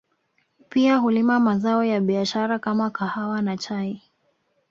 Pia hulima mazao ya biashara kama kahawa na chai